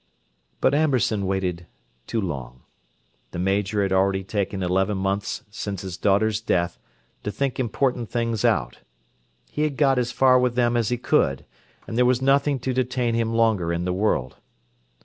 But Amberson waited too long. The Major had already taken eleven months since his daughter's death to think important things out. He had got as far with them as he could, and there was nothing to detain him longer in the world.